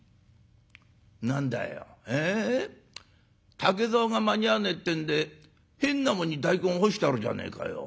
竹ざおが間に合わねえってんで変なもんに大根干してあるじゃねえかよ。